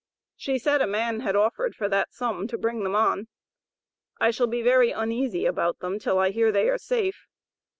She said a man had offered for that sum, to bring them on. I shall be very uneasy about them, till I hear they are safe.